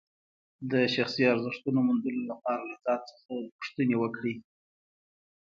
د شخصي ارزښتونو موندلو لپاره له ځان څخه پوښتنې وکړئ.